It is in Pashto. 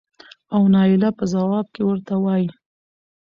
او نايله په ځواب کې ورته وايې